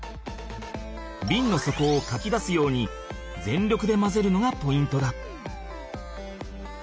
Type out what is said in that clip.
ビンの底をかき出すように全力で混ぜるのがポイントだ。